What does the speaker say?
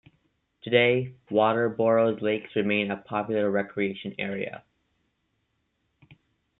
Today, Waterboro's lakes remain a popular recreation area.